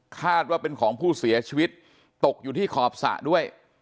คาดว่าเป็นของผู้เสียชีวิตตกอยู่ที่ขอบสระด้วย